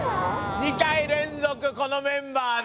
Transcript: ２回連続このメンバーで。